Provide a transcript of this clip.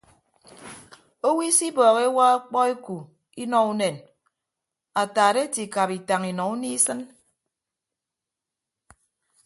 Owo isibọọhọ ewa okpọ eku inọ unen ataat ete ikap itañ inọ unie isịn.